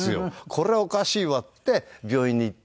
これはおかしいわって病院に行ったら。